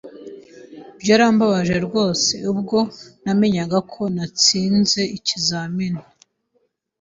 Byarambabaje rwose ubwo namenyaga ko ntatsinze ikizamini.